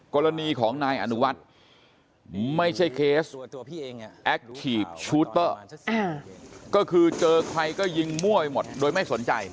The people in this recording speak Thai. กรณีของนายอนุวัฒน์ไม่ใช่เคสแอคทีฟชูเตอร์ก็คือเจอใครก็ยิงมั่วหมดโดยไม่สนใจ